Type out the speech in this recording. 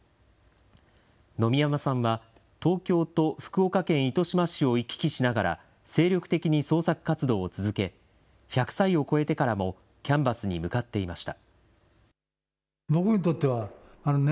野見山さんは東京と福岡県糸島市を行き来しながら、精力的に創作活動を続け、１００歳を超えてからもキャンバスに向かっていました。